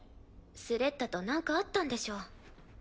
スレッタとなんかあったんでしょ。